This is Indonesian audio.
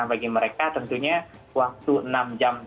bagi mereka tentunya waktu enam jam